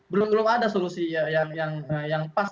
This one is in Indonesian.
belum belum ada solusi yang pas